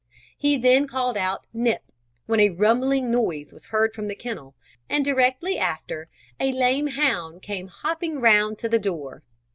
He then called out "Nip," when a rumbling noise was heard from the kennel, and directly after a lame hound came hopping round to the door.